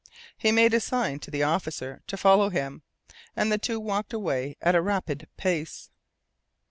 He made a sign to the officer to follow him, and the two walked away at a rapid pace.